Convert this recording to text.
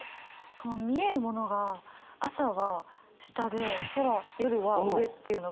見えるものが朝は下で空夜は上っていうのが。